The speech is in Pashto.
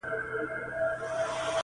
د بنگړو په شرنگهار کي يې ويده کړم